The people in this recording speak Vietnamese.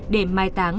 để mai tàng